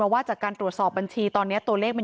และมีการเก็บเงินรายเดือนจริง